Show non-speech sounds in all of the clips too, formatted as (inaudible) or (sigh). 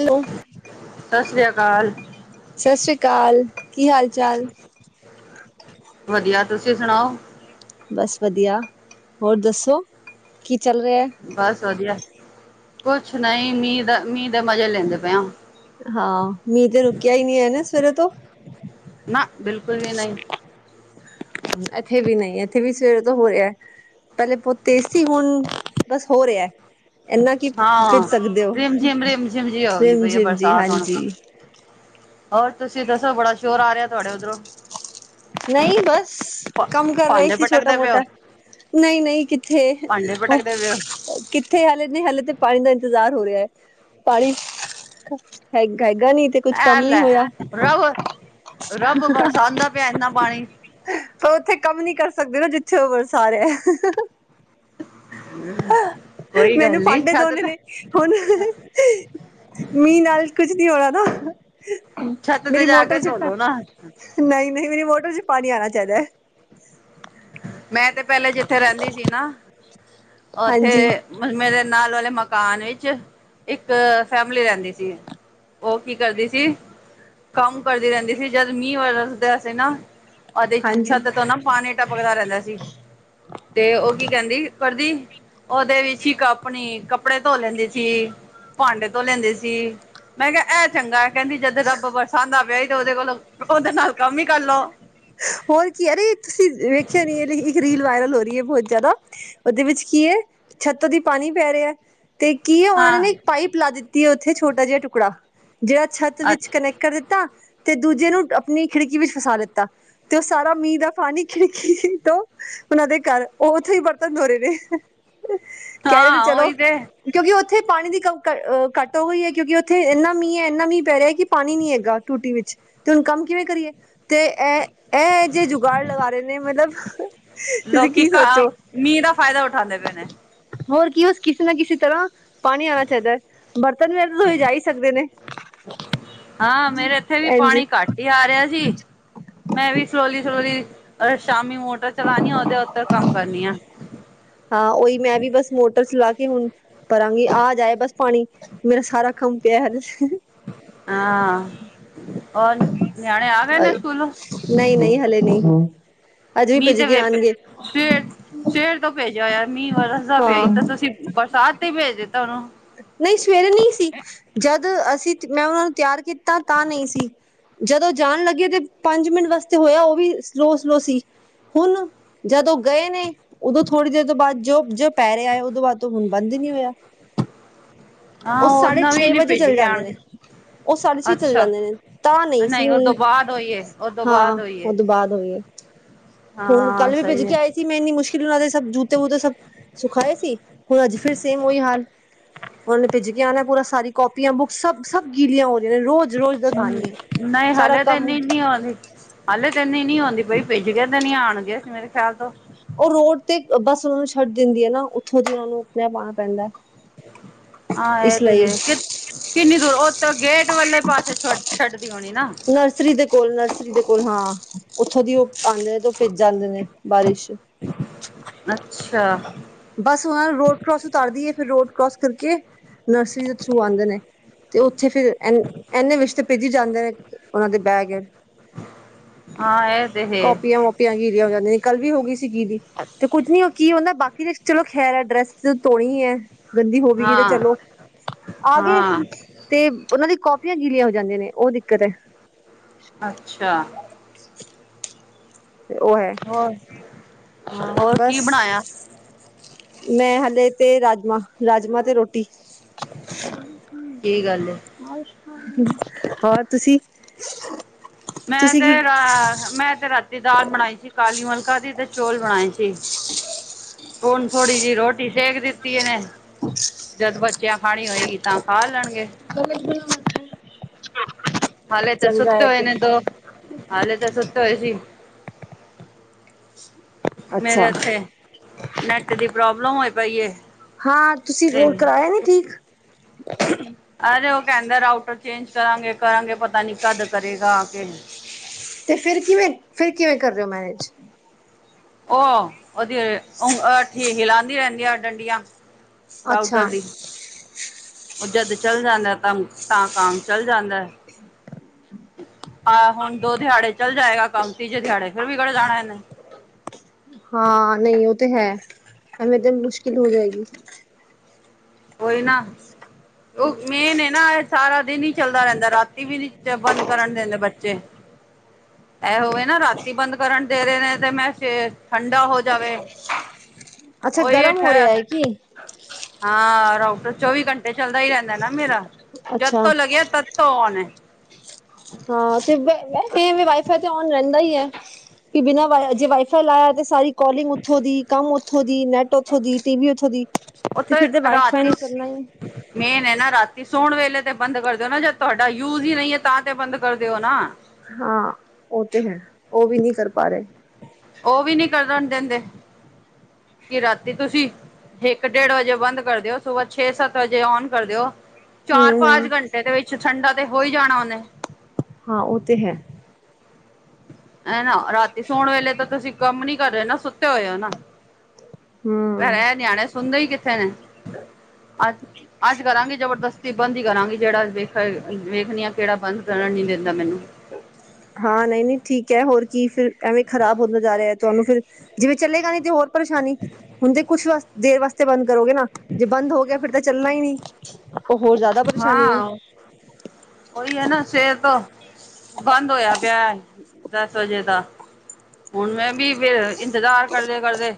Hello, ਸਤਿ ਸ੍ਰੀ ਅਕਾਲ ਸਤਿ ਸ੍ਰੀ ਅਕਾਲ, ਕੀ ਹਾਲ ਚਾਲ? ਵਧੀਆ, ਤੁਸੀਂ ਸੁਣਾਓ? ਬਸ ਵਧੀਆ, ਹੋਰ ਦੱਸੋ ਕੀ ਚੱਲ ਰਿਹਾ? ਬਸ ਵਧੀਆ, ਕੁਛ ਨਹੀਂ ਮੀਂਹ ਦਾ, ਮੀਂਹ ਦੇ ਮਜੇ ਲੈਂਦੇ ਪਏ ਆਂ। ਹਾਂ, ਮੀਂਹ ਤੇ ਰੁਕਿਆ, ਹੀ ਨੀ ਹੈ ਨਾ, ਸਵੇਰੇ ਤੋਂ ਨਾ, ਬਿਲਕੁਲ ਵੀ ਨਹੀਂ। ਇੱਥੇ ਵੀ ਨਹੀਂ, ਇੱਥੇ ਵੀ ਸਵੇਰੇ ਤੋਂ ਹੋ ਰਿਹਾ। ਪਹਿਲੇ ਬਹੁਤ ਤੇਜ਼ ਸੀ, ਹੁਣ ਬਸ ਹੋ ਰਿਹਾ। ਇੰਨਾ ਕੀ, ਫਿਰ ਹਾਂ ਸਕਦੇ ਹੋ, ਰਿਮ ਝਿਮ ਰਿਮ ਝਿਮ ਜੀ ਆਉਂਦੀ ਪਈ ਹੈ ਜਿਮ-ਜਿਮ ਜੀ ਬਰਸਾਤ ਹੁਣ ਹਾਂਜੀ। ਹੋਰ, ਤੁਸੀਂ ਦੱਸੋ ਬੜਾ ਸ਼ੋਰ ਆ ਰਿਹਾ, ਤੁਹਾਡੇ ਉੱਧਰੋਂ ਨਹੀਂ, ਬਸ ਭਾ ਕੰਮ ਕਰ ਰਹੇ ਭਾਂਡੇ ਸੀ, ਛੋਟਾ, ਪਟਕਦੇ ਪਏ ਹੋ ਮੋਟਾ ਨਹੀਂ -ਨਹੀਂ, ਕਿੱਥੇ ਭਾਂਡੇ ਪਟਕਦੇ ਪਏ ਹੋ ਕਿੱਥੇ, ਹਲੇੇ ਨਹੀਂ, ਹਲੇੇ ਤੇ ਪਾਣੀ ਦਾ ਇੰਤਜ਼ਾਰ ਹੋ ਰਿਹਾ ਹੈ। ਪਾਣੀ ਹੈਗਾ, ਹੈਗਾ ਨੀ ਤੇ ਕੁੱਝ ਐ, ਕੰਮ ਨੀ ਲੈ ਹੋਇਆ ਰੱਬ- ਰੱਬ, ਬਰਸਾਉੰਦਾ ਪਿਆ, ਇੰਨਾ ਪਾਣੀ ਉੱਥੇ, ਕੰਮ ਨੀ ਕਰ ਸਕਦੇ ਨਾ, ਜਿੱਥੇ ਉਹ ਵਰਸਾ ਰਿਹਾ। ਕੋਈ ਗੱਲ ਮੈਨੂੰ, ਨੀ ਭਾਂਡੇ, ਛੱਤ ਧੋਨੇ ਤੇ ਨੇ। ਹੁਣ, ਮੀਂਹ ਨਾਲ ਕੁਝ ਨੀ, ਹੋਣਾ ਨਾ। ਛੱਤ ਤੇ ਮੇਰੀ, ਜਾ ਕੇ ਮੋਟਰ ਚ, ਧੋਲੋ ਨਾ ਨਹੀਂ -ਨਹੀਂ, ਮੇਰੀ ਮੋਟਰ ਚ ਪਾਣੀ ਆਣਾ, ਚਾਹੀਦਾ। ਮੈਂ ਤੇ, ਪਹਿਲੇ ਜਿੱਥੇ ਰਹਿੰਦੀ ਸੀ ਨਾ, ਉੱਥੇ ਹਾਂਜੀ ਮੇਰੇ ਨਾਲ, ਵਾਲੇ ਮਕਾਨ ਵਿੱਚ ਇੱਕ ਫੈਮਿਲੀ ਰਹਿੰਦੀ ਸੀ। ਉਹ ਕੀ ਕਰਦੀ ਸੀ, ਕੰਮ ਕਰਦੀ ਰਹਿੰਦੀ ਸੀ, ਜਦ ਮੀਂਹ ਵਸਦਾ ਸੀ ਨਾ ਉਹਦੀ ਹਾਂਜੀ ਛੱਤ ਤੋਂ ਨਾ, ਪਾਣੀ ਟਪਕਦਾ ਰਹਿੰਦਾ ਸੀ, ਤੇ ਉਹ ਕੀ ਕਹਿੰਦੀ, ਕਰਦੀ ਉਹਦੇ ਵਿੱਚ ਹੀ ਆਪਣੀ ਕੱਪੜੇ ਧੋ ਲੈਂਦੀ ਸੀ। ਭਾਂਡੇ ਧੋਅ ਲੈਂਦੇ ਸੀ। ਮੈਂ ਕਿਆ ਐ ਚੰਗਾ ਐ। ਕੈਂਦੀ ਜਦ ਰੱਬ ਬਰਸਾਂਦਾ ਪਿਆ ਈ ਤੇ' ਔਦੇ ਕੋਲੋਂ ਔਹਦੇ ਨਾਲ ਕੰਮ ਈ ਕਰ ਲੋ। ਹੋਰ ਕੀ ਐ ਅਰੇ ਤੁਸੀ ਵੇਖਿਆ ਨੀ ਏ ਲੇਕਿ ਇੱਕ ਰੀਲ ਵਾਇਰਲ ਹੋ ਰੀ ਏ ਬੋਹੋਤ ਜ਼ਿਆਦਾ। ਔਦੇ ਵਿੱਚ ਕੀ ਏ ਛੱਤ ਦੀ ਪਾਣੀ ਪੈ ਰਿਐ। ਤੇ ਕੀ ਏ ਔਨਾ ਨੇ ਹਾਂ ਨਾ ਇੱਕ ਪਾਈਪ ਲਾ ਦਿੱਤੀ ਏ ਔਥੇ ਛੋਟਾ ਜਿਆ ਟੁਕੜਾ ਜੇੜਾ ਛੱਤ ਵਿਚ ਅੱਛਾ ਕਨੈਕਟ ਕਰ ਤਾ ਤੇ ਦੂਜੇ ਨੂੰ ਆਪਣੀ ਖਿੜਕੀ ਵਿੱਚ ਫਸਾ ਲਿੱਤਾ। ਤੇ ਔ ਸਾਰਾ ਮੀਂਅ ਦਾ ਪਾਣੀ ਖਿੜਕੀ ਤੋਂ ਔਨਾਂ ਦੇ ਘਰ ਔ ਔਥੋਂ ਈ ਬਰਤਨ ਧੋ ਰੇ ਨੇ। ਕੈਅ ਰੇ ਨੇ ਹਾਂ ਚਲੋ ਉਹੀ ਤੇ ਕਿਉਂਕਿ ਉੱਥੇ ਪਾਣੀ ਦੀ ਕ ਅ ਘੱਟ ਔਵੀ ਐ ਕਿਉਂਕਿ ਔਥੇ ਏਨਾ ਮੀਂਅ ਐ, ਏਨਾ ਮੀਂਅ ਪੈ ਰਿਆ ਕਿ ਪਾਣੀ ਨੀ ਹੈਗਾ ਟੂਟੀ ਵਿੱਚ। ਤੇ ਹੁਣ ਕੰਮ ਕਿਵੇਂ ਕਰੀਏ ਤੇ ਐ ਐ ਐਹੇ ਜਿਹੇ ਜੁਗਾੜ ਲਗਾ ਰੇ ਨੇ ਮਤਲਬ ਤੁਸੀ ਕੀ ਸੋਚੋ ਫ਼ਾਇਦਾ ਉਠਾਂਦੇ ਪਏ ਨੇ। ਹੋਰ ਕੀ ਉਸ ਕਿਸੀ ਨਾ ਕਿਸੀ ਤਰ੍ਹਾਂ ਪਾਣੀ ਆਣਾ ਚਾਈਦਾ ਐ, ਬਰਤਨ ਵੀ ਇੱਕ-ਦੋ ਲੀਜਾ ਈ ਸਕਦੇ ਨੇ। ਹਾਂ ਮੇਰੇ ਇੱਥੇ ਵੀ ਇੰਝ ਪਾਣੀ ਘੱਟ ਈ ਆ ਰਿਆ ਸੀ। ਮੈਂ ਵੀ ਸਲੋਲੀ-ਸਲੋਲੀ ਅ ਸ਼ਾਮੀ ਮੋਟਰ ਚਲਾਣੀ ਆ ਔਹਦੇ ਉੱਤੇ ਕੰਮ ਕਰਨੀ ਆਂ। ਹਾਂ ਔਈ ਮੈਂ ਵੀ ਬਸ ਮੋਟਰ ਚਲਾ ਕੇ ਹੁਣ ਧਰਾਂਗੀ। ਆ ਜਾਏ ਬਸ ਪਾਣੀ। ਮੇਰਾ ਸਾਰਾ ਕੰਮ ਪਿਐ ਹਾਲੇ। ਹਾਂ ਹੋਰ ਨਿਆਣੇ ਆ ਗਏ ਨੇ ਸਕੂਲੋ? ਨਈ-ਨਈ ਹਲੇ ਨਈ, ਅੱਜ ਵੀ ਮੀਂਹ ਭਿੱਜ ਤੇ ਕੇ ਵੇ ਆਣਗੇ। ਸਵੇਰ ਸਵੇਰ ਤੋਂ ਭੇਜਿਆ ਹੋਇਐ। ਮੀਂਅ ਵਰਸਦਾ ਪਿਆ ਈ ਹਾਂ ਤਾਂ ਤੁਸੀਂ ਬਰਸਾਤ ਤੇ ਈ ਭੇਜ ਦਿੱਤਾ ਔਹਨੂੰ। ਨਈ ਸਵੇਰੇ ਨੀ ਸੀ। ਜਦ ਅਸੀ ਤ ਮੈਂ ਔਹਨਾਂ ਨੂੰ ਤਿਆਰ ਕੀਤਾ ਤਾਂ ਨਈ ਸੀ। ਜਦੋਂ ਜਾਣ ਲੱਗੇ ਤੇ ਪੰਜ ਮਿੰਟ ਵਾਸਤੇ ਹੋਇਆ ਔ ਵੀ ਸਲੋ-ਸਲੋ ਸੀ। ਹੁਣ ਜਦ ਔ ਗਏ ਨੇ, ਉਦੋਂ ਥੋੜੀ ਦੇਰ ਤੋਂ ਬਾਦ ਜੋ, ਜੋ ਪੈ ਰਿਐ ਉਦੋਂ ਬਾਦ ਔ ਹੁਣ ਬੰਦ ਈ ਨੀ ਹੋਇਆ। ਹਾਂ ਉਹ ਔ ਸਾਢੇ ਔਨਾ ਵੀ ਛੇ ਨੀ ਵਜੇ ਭਿਜ ਚਲੇ ਕੇ ਜਾਂਦੇ ਨੇ ਆਣਗੇ। ਉਹ ਸਾਢੇ ਛੇ ਚਲੇ ਅੱਛਾ, ਜਾਂਦੇ ਨੇ ਤਾਂ ਨਹੀਂ ਨਈ ਸੀ ਮੀਂਹ ਔਦੋਂ ਬਾਦ ਹੋਈ ਏ, ਔਦੋਂ ਹਾਂ ਬਾਦ ਹੋਈ ਏ। ਉਹਦੋਂ ਬਾਅਦ ਹੋਈ ਹੈ (unintelligible) ਹੁਣ ਕੱਲ ਵੀ ਭਿੱਜ ਕੇ ਆਏ ਸੀ, ਮੈਂ ਇੰਨੀ ਮੁਸ਼ ਔਨਾਂ ਦੇ ਸਭ ਜੂਤੇ-ਵੂਤੇ ਸਭ ਸੁਖਾਏ ਸੀ, ਹੁਣ ਅੱਜ ਫੇਰ ਸੇਮ ਔਈ ਹਾਲ। ਹੁਨ ਭਿੱਜ ਕੇ ਆਣੈ ਪੂਰਾ ਸਾਰੀ ਕੋਪੀਆਂ, ਬੁੱਕ ਸਭ, ਸਭ ਗੀਲੀਆਂ ਹੋ ਰ (unintelligible) ਨੇ ਰੋਜ਼-ਰੋਜ਼ ਦਾ ਕਾਣੀ ਏ। ਸਾਰਾ ਕੰਮ ਕੀ ਹਾਲ ਏ? ਹਾਲੇ ਤੇ ਐਨੀ ਨੀ ਹੁੰਦੀ ਪਈ, ਭਿੱਜ ਕੇ ਤੇ ਨੀ ਆਣਗੇ, ਮੇਰੇ ਖਿਆਲ ਤੋ। ਔ ਰੋਡ ਤੇ ਅ ਬੱਸ ਛੱਡ ਦੇਂਦੀ ਐ ਨਾ ਔਥੋਂ ਦੀ ਔਨੂੰ ਪੈਦਲਾਣ ਪੈਂਦੈ। ਹਾਂ ਐ ਤੇ ਹੈ ਕਿ ਕਿੰਨੀ ਦੂਰ ਉਤੋਂ ਗੇਟ ਵਾਲੇ ਪਾਸੇ ਛੱਡ ਛੱਡਦੀ ਹੋਣੀ ਨਾ। ਥਰੀ ਦੇ ਕੋਲ, ਨਰਸਰੀ ਦੇ ਕੋਲ ਹਾਂ। ਔਥੋਂ ਦੀ ਔ ਆਂਦੇ ਨੇ ਤੇ ਔ ਭਿਜ ਜਾਂਦੇ ਨੇ ਬਾਰਿਸ਼ ਅੱਛਾ। ਬਸ ਵਹਾ ਰੋਡ ਕਰੋਸ ਈ ਉਤਾਰਦੀ ਏ ਫੇਰ ਰੋਡ ਕਰੋਸ ਕਰਕੇ ਨਰਸਰੀ ਦੇ ਥਰੂ ਆਂਦੇ ਨੇ। ਤੇ ਔਥੇ ਫਿਰ ਇਨ ਇੰਨੇ ਵਿੱਚ ਤੇ ਭਿੱਜ ਈ ਜਾਂਦੇ ਨੇ ਔਨਾਂ ਦੇ ਬੈਗ। ਹਾਂ ਐ ਤੇ ਹੈ। ਫੇਰ ਗਿਲੀਆ ਹੋ ਜਾਂਦੀਐਂ। ਕੱਲ ਵੀ ਹੋ ਗਈ ਸੀ ਗਿਲੀ ਤੇ ਕੁੱਝ ਨੀ ਔ ਕੀ ਹੁੰਦੈ ਬਾਕੀ ਦੇ 'ਚ ਚਲੋ ਖੈਰ ਐ, ਡਰੈਸ ਤੇ ਧੋਨੀ ਐ, ਗੰਦੀ ਹੋ ਵੀ ਗੀ ਤੇ ਹਾਂ ਚਲੋ, ਆ ਗਏ ਹਾਂ ਤੇ ਔਨਾਂ ਦੀ ਕੋਪੀਆਂ ਗੀਲੀਆਂ ਹੋ ਜਾਂਦੀਆਂ ਨੇ ਔ ਦਿੱਕਤ ਐ। ਅੱਛਾ। ਤੇ ਔ ਹੈ ਹੋਰ, ਹਾਂ ਹੋਰ ਬਸ ਕੀ ਬਣਾਇਆ? ਮੈਂ ਹਾਲੇ ਤੇ ਰਾਜਮਾਂ, ਰਾਜਮਾਂ ਤੇ ਰੋਟੀ। ਕੀ ਗੱਲ ਏ ਹੋਰ ਤੁਸੀ? ਮੈਂ ਤੇ ਰਾ ਮੈਂ ਤੇ ਰਾਤੀ ਦਾਲ ਬਣਾਈ ਸੀ ਕਾਲੀ ਮਲਕਾ ਦੀ ਤੇ ਚੋਲ ਬਣਾਏ ਸੀ। ਹੋਣ ਥੋੜ੍ਹੀ ਜੇਈ ਰੋਟੀ ਸੇਕ ਦਿੱਤੀ ਏਨੇ। ਜਦ ਬੱਚਿਆਂ ਖਾਣੀ ਹੋਏਗੀ ਤਾਂ ਖਾ ਲੈਣਗੇ। (inaudible) ਹਲੇੇ ਤਾਂ ਚੰਗਾ ਸੁਤੈ ਹੈ ਹੋਏ ਤੇ ਨੇ ਦੋ ਹਾਲੇ ਤੇ ਸੁਤੈ ਹੋਏ ਸੀ, ਮੇਰੇ ਅੱਛਾ ਉੱਥੇ ਨੈੱਟ ਦੀ ਪ੍ਰੋਬਲਮ ਹੋਈ ਪਈ ਏ। ਹਾਂ ਤੁਸੀਂ ਤੇ ਰੋਡ ਕਰਾਇਆ ਨੀਂ ਠੀਕ? (unintelligible) ਅਰੇ ਉਹ ਕਹਿੰਦਾ ਡਾਕਟਰ ਚੇਂਜ ਕਰਾਂਗੇ, ਕਰਾਂਗੇ। ਪਤਾ ਨੀਂ ਕਦ ਕਰੇਗਾ ਆ ਕੇ ਤੇ ਫਿਰ ਕਿਵੇਂ? ਫਿਰ ਕਿਵੇਂ ਕਰ ਰਿਓ ਮੈਨੇਜ? ਉਹ ਉਹਦੀ ਉਂਠ, ਹਲਾਉਂਦੀ ਰਹਿੰਦੀਆਂ ਡੰਡੀਆਂ। ਰਾਊਟਰ ਅੱਛਾ ਦੀ ਉਹ ਜਦ ਚਲ ਜਾਂਦਾ ਤਾਂ, ਤਾਂ ਕਮ ਚਲ ਜਾਂਦਾ। ਆਹ ਹੁਣ ਦੋ ਦਿਹਾੜੇ ਚੱਲ ਜਾਏਗਾ ਕੰਮ, ਤੀਜੇ ਦਿਹਾੜੇ ਫੇਰ ਵੀ ਕਿਹੜੇ ਜਾਣਾ ਇਹਨੇਂ। ਹਾਂ ਨ੍ਹੀਂ ਉਹ ਤੇ ਹੈ, ਹਵੇੇ ਦਿਨ ਮੁਸ਼ਕਿਲ ਹੋ ਜਾਏਗੀ। ਕੋਈ ਨਾਂ ਉਹ ਮੇਨ ਏ ਨਾਂ ਇਹ ਸਾਰਾ ਦਿਨ ਹੀ ਚੱਲਦਾ ਰਹਿੰਦਾ, ਰਾਤੀ ਵੀ ਨੀਂ ਬੰਦ ਕਰਨ ਦਿੰਦੇ ਬੱਚੇ। (inaudible) ਇਹੋਵੇ ਨਾਂ ਰਾਤੀ ਬੰਦ ਕਰਨ ਦੇ ਰਹੇ ਨੇਂ ਤੇ ਮੈਂ ਠੰਡਾ ਹੋ ਜਾਵੇ। (inaudible) ਅੱਛਾ ਉਹੀ ਗਰਮ ਹੋ ਰਿਹਾ ਠ ਹੈ ਕੀ? ਹਾਂ ਰਾਕਟਰ ਚੌਵੀ ਘੰਟੇ ਚੱਲਦਾ ਈ ਰਹਿੰਦਾ ਨਾਂ ਮੇਰਾ, ਜਦ ਅੱਛਾ ਤੋਂ ਲੱਗਿਆ ਤਦ ਤੋਂ ਆਉਣ ਐ। ਹਾਂ ਤੇ ਵੇ ਵਾਈਫਾਈ ਤੇ ਔਨ ਰਹਿੰਦਾ ਈ ਐ। ਵੀ ਬਿਨਾਂ ਵਾਈ ਜੇ ਵਾਈਫਾਈ ਲਾਇਆ ਤਾਂ ਸਾਰੀ ਕਾਲਿੰਗ ਉੱਥੋਂ ਦੀ, ਕੰਮ ਉੱਥੋਂ ਦੀ, ਨੈੱਟ ਉੱਥੋਂ ਦੀ, ਟੀ ਵੀ ਉੱਥੋਂ ਦੀ। ਉਹ ਤੇ ਤਾਂ ਫਿਰ ਤੇ ਵਾਈਫਾਈ ਨੂੰ ਰਾਤੀ ਚੱਲਣਾ ਮੇਨ ਏ ਨਾਂ ਰਾਤੀ ਸੋਣ ਵੇਲੇ ਤੇ ਬੰਦ ਕਰ ਦਿਓ ਨਾਂ, ਜੇ ਤੁਹਾਡਾ ਯੂਜ ਈ ਨਈਂ ਏ ਤਾਂ ਤੇ ਬੰਦ ਕਰ ਦਿਓ ਨਾਂ। ਹਾਂ ਉਹ ਤੇ ਹੈ, ਉਹ ਵੀ ਨਈਂ ਕਰ ਪਾ ਰਹੇ। ਉਹ ਵੀ ਨੀਂ ਕਰਣ ਦਿੰਦੇ, ਕੀ ਰਾਤੀ ਤੁਸੀਂ ਇੱਕ ਡੇਢ ਵਜੇ ਬੰਦ ਕਰ ਦਿਓ, ਸੁਬਾ ਛੇ-ਸੱਤ ਵਜੇ ਔਨ ਕਰ ਦਿਓ। ਹਮ ਚਾਰ-ਪੰਜ ਘੰਟੇ ਦੇ ਵਿੱਚ ਠੰਡਾ ਤੇ ਹੋ ਈ ਜਾਣਾ ਉਹਨੇਂ। ਹਾਂ ਉਹ ਤੇ ਹੈ। ਹੇਨਾਂ ਰਾਤੀ ਸੋਣ ਵੇਲੇ ਤਾਂ ਤੁਸੀਂ ਕੰਮ ਨੀਂ ਕਰ ਰਹੇ ਨਾਂ, ਸੁੱਤੇ ਹੋਏ ਔ ਨਾਂ। ਹਮ ਰ ਨਿਆਣੇਂ ਸੁਣਦੇ ਹੀ ਕਿੱਥੇ ਨੇਂ। ਅੱਜ ਅੱਜ ਕਰਾਂਗੀ ਜਬਰਦਸਤੀ ਬੰਦ ਈ ਕਰਾਂਗੀ ਜਿਹੜਾ ਵੇਖ, ਵੇਖਣੀ ਆ ਕਿਹੜਾ ਬੰਦ ਨੀਂ ਦਿੰਦਾ ਮੈਨੂੰ। ਹਾਂ, ਨਈਂ ਨਈਂ ਠੀਕ ਏ, ਹੋਰ ਕੀ ਫਿਰ ਐਵੇਂ ਖ਼ਰਾਬ ਹੁੰਦਾ ਜਾ ਰਿਹਾ, ਤੁਹਾਨੂੰ ਫਿਰ, ਜਿਵੇਂ ਚਲੇਗਾ ਨੀਂ ਤੇ ਹੋਰ ਪਰੇਸ਼ਾਨੀ। ਹੁਣ ਤੇ ਕੁਛ ਦੇਰ ਵਾਸਤੇ ਬੰਦ ਕਰੋਗੇ ਨਾਂ ਜੇ ਬੰਦ ਹੋ ਗਿਆ ਫਿਰ ਤੇ ਚੱਲਣਾ ਈ ਨੀਂ ਉਹ ਹੋਰ ਜ਼ਿਆਦਾ ਪਰੇਸ਼ਾਨੀ ਐ। ਹਾਂ ਉਹੀ ਐ ਨਾਂ ਸਵੇਰ ਤੋਂ ਬੰਦ ਹੋਇਆ ਪਿਆ, ਦਸ ਵਜੇ ਦਾ। ਹੁਣ ਮੈਂ ਵੀ ਫੇਰ ਇੰਤਜ਼ਾਰ ਕਰਦੇ-ਕਰਦੇ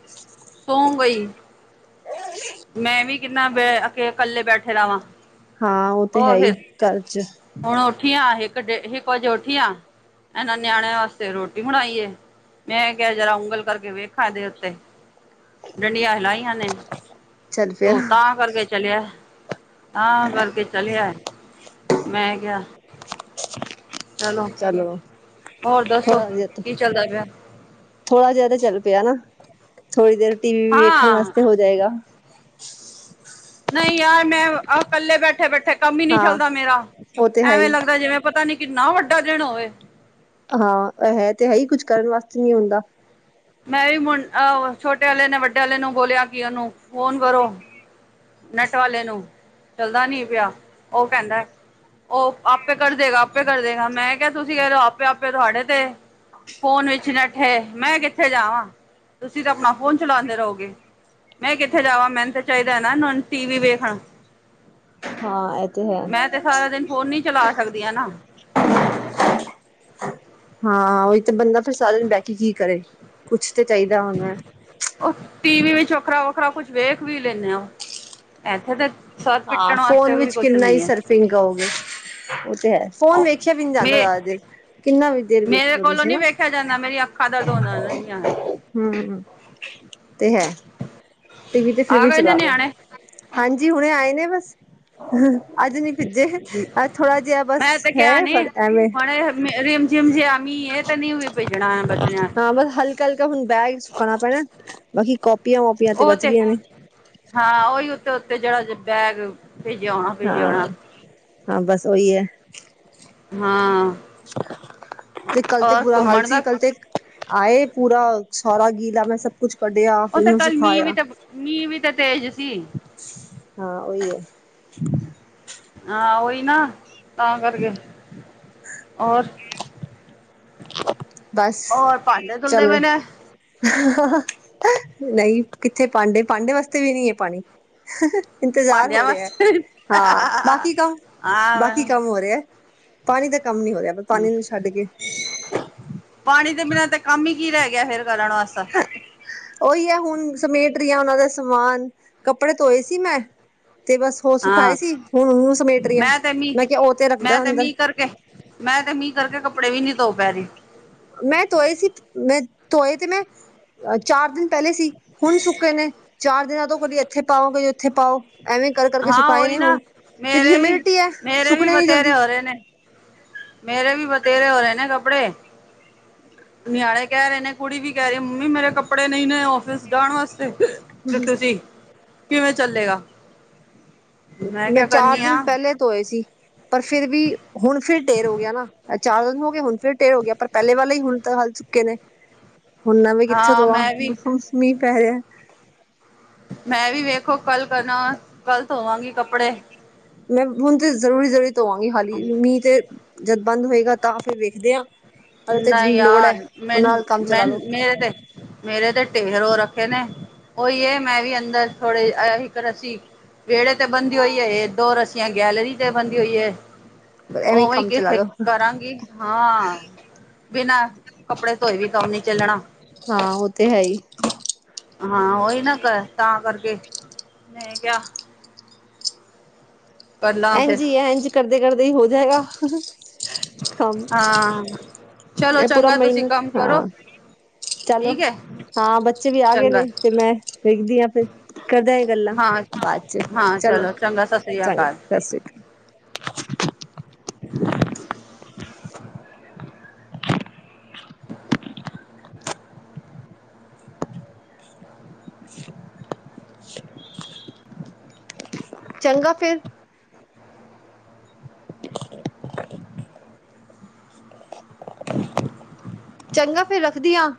ਸੋਂ ਗਈ। ਮੈਂ ਵੀ ਕਿੰਨਾ ਬੇ ਇਕੇ ਇਕੱਲੇ ਬੈਠੇ ਰਵਾਂ। ਹਾਂ ਉਹ ਤੇ ਹੈ ਹੀ ਘਰ ਚ ਹੁਣ ਉੱਠੀਆਂ ਇੱਕ ਡੇ, ਇੱਕ ਵਜੇ ਉੱਠੀਆਂ ਇਹਨਾਂ ਨਿਆਣਿਆਂ ਵਾਸਤੇ ਰੋਟੀ ਬਣਾਈ ਐ। ਮੈਂ ਕਿਹਾ, ਜਰਾ ਉਂਗਲ ਕਰਕੇ ਵੇਖਾ ਇਹਦੇ ਉੱਤੇ। ਡੰਡੀਆਂ ਹਿਲਾਾਈਆਂ ਨੇਂ, ਚੱਲ ਪਿਆ ਉਹ ਤਾਂ ਕਰਕੇ ਚਲਿਆ। ਆ ਕਰਕੇ ਚਲਿਆ, ਮੈਂ ਕਿਹਾ ਚਲੋ, ਹੋਰ ਦੱਸੋ ਥੋੜਾ ਜਿਹਾ ਕੀ ਚੱਲਦਾ ਪਿਆ। ਥੋੜਾ ਜਿਹਾ ਤੇ ਚੱਲ ਪਿਆ ਨਾਂ, ਥੋੜ੍ਹੀ ਦੇਰ ਟੀ ਵੀ ਵੀ ਵੇਖਣ ਹਾਂ ਵਾਸਤੇ ਹੋ ਜਾਏਗਾ। ਨਈਂ ਯਾਰ ਮੈਂ ਇਕੱਲੇ ਬੈਠੇ, ਬੈਠੇ ਕੰਮ ਈ ਨਈਂ ਹਾਂ ਚੱਲਦਾ ਮੇਰਾ। ਉਹ ਤੇ ਹੈ ਐਵੇਂ ਹੀ ਲੱਗਦਾ ਜਿਵੇਂ ਪਤਾ ਨੀਂ ਕਿੰਨਾ, ਵੱਡਾ ਦਿਣ ਹੋਵੇ। ਹਾਂ, ਹੈ ਤੇ ਹੈ ਹੀ ਕੁਛ ਕਰਨ ਵਾਸਤੇ ਨਈਂ ਹੁੰਦਾ। ਮੈਂ ਵੀ ਮੁੰਡ ਅ ਛੋਟੇ ਵਾਲਲੇ ਨੇਂ, ਵੱਡੇ ਵਾਲੇ ਨੂੰ ਬੋਲਿਆ ਕਿ ਉਹਨੂੰ ਫੋਨ ਕਰੋ। ਨੈੱਟ ਵਾਲੇ ਨੂੰ, ਚੱਲਦਾ ਨੀ ਪਿਆ। ਉਹ ਕਹਿੰਦਾ ਉਹ ਆਪੇ ਕਰ ਦੇਗਾ, ਆਪੇ ਕਰ ਦੇਗਾ ਮੈਂ ਕਿਹਾ ਤੁਸੀਂ ਕਹਿ ਲਓ ਆਪੇ- ਆਪੇ ਤੁਹਾਡੇ ਤੇ ਫ਼ੋਨ ਵਿੱਚ ਨੈਠੇ, ਮੈਂ ਕਿੱਥੇ ਜਾਵਾਂ, ਤੁਸੀਂ ਤਾਂ ਆਪਣਾ ਫੋਨ ਚਲਾਉਂਦੇ ਰਹੋਗੇ। ਮੈਂ ਕਿੱਥੇ ਜਾਵਾਂ, ਮੈਨੂੰ ਤੇ ਚਾਹੀਦਾ ਨਾ ਟੀ ਵੀ ਵੇਖਣ ਹਾਂ, ਇਹ ਤੇ ਹੈ। ਮੈਂ ਤੇ ਸਾਰਾ ਦਿਨ ਫੋਨ ਨੀ ਚਲਾ ਸਕਦੀਆਂ ਨਾ। ਹਾਂ, ਉਹੀ ਤਾਂ ਬੰਦਾ ਫਿਰ ਸਾਰਿਆਂ ਨੂੰ ਬਹਿਠ ਕੇ ਕੀ ਕਰੇ, ਕੁਛ ਤਾਂ ਚਾਹੀਦਾ ਹੁੰਦਾ। ਉਹ ਟੀ ਵੀ ਵਿੱਚ ਵੱਖਰਾ- ਵੱਖਰਾ ਕੁਛ ਵੇਖ ਵੀ ਲੈਂਦੇ ਆ। ਉਹ ਇੱਥੇ ਤੇ ਸਰ ਹਾਂ, ਪਿੱਟਣ ਫੋਨ ਵਾਸਤੇ ਵੀ ਵਿੱਚ ਕੁਛ ਕਿੰਨਾ ਹੀ ਨਹੀਂ ਹੈ ਸਰਫਿੰਗ ਕੋਗੇ। ਉਹ ਤੇ ਹੈ। ਫੋਨ ਉਹ ਵੇਖਿਆ ਵੀ ਨਹੀਂ ਜਾਂਦਾ ਮੇ ਜ਼ਿਆਦਾ ਦੇਰ, ਕਿੰਨਾ ਵੀ ਦੇਰ ਵੇਖ ਲਓ ਤੁਸੀ ਹਨਾ। ਕਦਰ ਤਾਂ ਹੁੰਦਾ ਨਾ ਇ ਹਨ (unintelligible) ਹ, ਤੇ ਹੈ। ਟੀ ਵੀ ਤੇ ਫਿਰ ਆ ਵੀ ਗਏ ਨੇ ਚਲਾ ਲੋੋ। ਨਿਆਣੇ ਹਾਂਜੀ, ਹੁਣੇ ਆਏ ਨੇ ਬਸ। ਅੱਜ ਨਹੀਂ ਭਿੱਜੇ, ਅਜ ਥੋੜਾ ਜਿਹਾ ਬਸ ਹੈ, ਪਰ ਐਵੇਂ ਰਮ ਜਮ ਜੇਯਾ ਮੀਹ ਇਹ ਤੇ ਨਹੀਂ ਭੇਜਣਾ ਬੱਚਿਆਂ ਨੂੰ। ਹਾਂ ਬਸ, ਹਲਕਾ- ਹਲਕਾ ਹੁਣ ਬੈਗ ਸੁਕਾਉਣਾ ਪੈਣਾ, ਬਾਕੀ ਕਾਪੀਆਂ- ਵੋਪੀਆਂ ਤੇ ਬਚ ਗਈਆਂ ਨੇ। ਹਾਂ, ਉਹੀ ਉੱਤੇ- ਉੱਤੇ ਜਿਹੜਾ ਬੈਗ ਭੇਜਿਆ ਹੋਣਾ ਭੇਜਿਆ ਹੋਣਾ ਹਾਂ, ਹਾਂ, ਬਸ ਉਹੀ ਹੈ। ਹਾਂ। ਤੇ ਕੱਲ ਤੇ ਔਰ ਬੁਰਾ ਹਾਲ ਘੁੰਮਣ ਸੀ, ਦਾ ਕੱਲ ਤੇ ਆਏ ਪੂਰਾ, ਸਾਰਾ ਗੀਲਾ, ਮੈਂ ਸਭ ਕੁਛ ਕੱਢਿਆ ਉਹ ਫਿਰ ਤੇੇ, ਮੈਂ ਕੱਲ ਮੀਂਹ ਵੀ ਸੁਖਾਇਆ ਤੇ ਮੀਂਹ ਵੀ ਤੇ ਤੇਜ ਸੀ। ਹਾਂ, ਉਹੀ ਹੈ। ਹਾਂ, ਉਓਹੀ ਨਾ, ਤਾਂ ਕਰਕੇ ਹੋਰ ਬਸ ਹੋਰ ਭਾਂਡੇ ਧੁਲਦੇ ਚੱਲ। ਪਏ ਨੇ ਨਹੀਂ ਕਿੱਥੇ ਪਾਂਡੇ- ਪਾਂਡੇ ਵਾਸਤੇ ਵੀ ਨਹੀਂ ਹੈ ਪਾਣੀ। ਇੰਤਜ਼ਾਰ ਭਾਂਡਿਆਂ ਹੋ ਰਿਹਾ। ਵਾਸਤੇ ਹਾਂ, ਬਾਕੀ ਕੰਮ ਬਾਕੀ, ਹਾਂ ਕੰਮ ਹੋ ਰਿਹਾ। ਪਾਣੀ ਦਾ ਕੰਮ ਨੀ ਹੋ ਰਿਹਾ। ਪਾਣੀ ਨੂੰ ਛੱਡ ਕੇ ਪਾਣੀ ਦੇ ਬਿਨਾਂ ਤੇ ਕੰਮ ਹੀ ਕੀ ਰਹਿ ਗਿਆ ਫਿਰ ਕਰਨ ਵਾਸਤੇ। ਉਹੀ ਹੈ ਹੁਣ ਸਮੇਟ ਰਹੀਆਂ ਉਹਨਾਂ ਦਾ ਸਮਾਨ। ਕੱਪੜੇ ਧੋਏ ਸੀ ਮੈਂ ਤੇ ਬਸ, ਉਹ ਹਾਂ ਸੁਖਾਏ ਸੀ ਹੁਣ ਉਹਨ ਸਮੇਟ ਰਹੀਆਂ। ਮੈਂ ਤੇ ਮੈਂ ਮੀਂਹ ਕਿਹਾ, ਉਹ ਤੇ ਮੈਂ ਰੱਖਦਾ ਅੰਦਰ। ਮੀਂਹ ਕਰਕੇ ਮੈਂ ਤੇ ਮੀਂਹ ਕਰਕੇ ਕੱਪੜੇ ਵੀ ਨੀ ਧੋ ਪੈ ਰਹੀ। ਮੈਂ ਧੋਏ ਸੀ, ਮੈਂ ਧੋਏ ਤੇ ਮੈਂ ਚਾਰ ਦਿਨ ਪਹਿਲੇ ਸੀ। ਹੁਣ ਸੁੱਕੇ ਨੇ। ਚਾਰ ਦਿਨਾਂ ਤੋਂ ਕਦੇ ਇੱਥੇ ਪਾਓ, ਕਦੀ ਉੱਥੇ ਪਾਓ, ਐਵੇਂ ਕਰ ਕਰਕੇ ਹਾਂ ਸੁਖਾਏ ਉਹੀ ਨ ਨਾ ਹੁਣ। ਕਿਉਂਕਿ ਮੇਰੇ ਵੀ ਹਿਊਮਿਨਿਟੀ ਹੈ, ਮੇਰੇ ਵੀ ਸੁਖਣੇ ਨੀ ਜਲਦੀ। ਬਥੇਰੇ ਹੋ ਰਹੇ ਨੇ ਮੇਰੇ ਵੀ ਬਥੇਰੇ ਹੋ ਰਹੇ ਨੇ ਕੱਪੜੇ। ਨਿਆਣੇ ਕਹਿ ਰਹੇ ਨੇ, ਕੁੜੀ ਵੀ ਕਹਿ ਰਹੀ ਮੰਮੀ, ਮੇਰੇ ਕੱਪੜੇ ਨਹੀਂ ਨੇ ਆਫਿਸ ਜਾਣ ਵਾਸਤੇ। ਤੇ ਤੁਸੀਂ, ਕਿਵੇਂ ਚੱਲੇਗਾ। ਮੈਂ ਕਿਆ ਚਾਰ ਕਰਨੀ ਆ ਦਿਨ ਪਹਿਲੇ ਤੋਏ ਸੀ। ਪਰ ਫਿਰ ਵੀ ਹੁਣ ਫਿਰ ਢੇਰ ਹੋ ਗਿਆ ਨਾ। ਚਾਰ ਦਿਨ ਹੋ ਗਏ ਹੁਣ ਫਿਰ ਢੇਰ ਹੋ ਗਿਆ। ਪਰ ਪਹਿਲੇ ਵੱਲੇ ਹੀ ਹੁਣ, ਤਾਂ ਹੱਲ ਚੁੱਕੇ ਨੇ। ਹੁਣ ਮੈਵੇਂ ਕਿੱਥੇ ਹਾਂ ਧੋਵਾ, ਮੈਂ ਵੀ ਮੀਂਹ ਪੈ ਰਿਹਾ ਹੈ। ਮੈਂ ਵੀ ਵੇਖੋ ਕੱਲ ਕਰਨਾ, ਕੱਲ ਧੋਵਾਂਗੀ ਕੱਪੜੇ। ਮੈਂ ਹੁਣ ਤੇ ਜ਼ਰੂਰੀ- ਜ਼ਰਰੀ ਧੋਵਾਂਗੀ ਹਾਲੀ ਮੀਂਹ ਤੇ, ਜਦ ਬੰਦ ਹੋਏਗਾ ਤਾਂ ਫਿਰ ਵੇਖਦੇ ਆਂ। ਨਹੀਂ ਯਾਰ, ਕੰਮ ਮੈ- ਮੈ ਚਲਾ ਲੋ ਮੇਰੇ ਤੇ ਮੇਰੇ ਤੇ ਢੇਰੋ ਰੱਖੇ ਨੇ, ਉਹੀ ਮੈਂ ਵੀ ਅੰਦਰ ਥੋੜੇ ਇੱਕ ਰੱਸੀ ਵਿਹੜੇ ਤੇ ਬੰਦੀ ਹੋਈ ਹੈਏ, ਦੋ ਰੱਸੀਆਂ ਗੈਲਰੀ ਤੇ ਬੰਦੀ ਹੋਈ ਹੈ। ਐਵੇਂ ਉਵੇਂ ਕੰਮ ਚਲਾ ਕਿਥੇ ਲੋ ਕਰਾਂਗੀ। ਹਾਂ। ਬਿਨਾਂ ਕੱਪੜੇ ਧੋਏ ਵੀ ਕੰਮ ਨੀ ਚੱਲਣਾ। ਹਾਂ ਉਹ ਤੇ ਹੈ ਹੀ। ਹਾਂ, ਉਹੀ ਨਾ ਤਾਂ ਕਰਕੇ, ਮੈਂ ਕਿਹਾ ਕਰ ਲਾਂ ਫਿਰ ਇੰਝ ਐ, ਇੰਝ ਕਰਦੇ- ਕਰਦੇ ਹੀ ਹੋ ਜਾਏਗਾ। ਕੰਮ, ਹਾਂ ਚਲੋ ਇਹ ਪੂਰਾ ਚੰਗਾ ਤੁਸੀਂ ਮਹੀਨਾ ਕੰਮ ਕਰੋ ਹਾਂ। ਚਲੋ, ਠੀਕ ਹੈ ਹਾਂ ਬੱਚੇ ਵੀ ਆ ਗਏ ਚੰਗਾ ਨੇ ਤੇ, ਮੈਂ ਵੇਖਦੀ ਹਾਂ, ਫਿਰ ਕਰਦੇ ਗੱਲਾਂ, ਹਾਂ ਬਾਅਦ ਚ', ਹਾਂ ਚਲੋ ਚੰਗਾ ਸਤਿ ਸ੍ਰੀ ਚੰ। ਅਕਾਲ ਸਤਿ ਸ਼੍ਰੀ ਅਕਾਲ। (inaudible) ਚੰਗਾ ਫੇ। ਰ (inaudible) ਚੰਗਾ ਫੇਿਰ ਰੱਖਦੀ ਹਾਂ,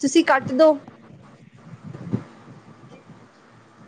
ਤੁਸੀਂ ਕੱਟ ਦੋ। (inaudible)